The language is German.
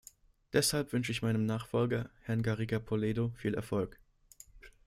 Deshalb wünsche ich meinem Nachfolger, Herrn Garriga Polledo, viel Erfolg.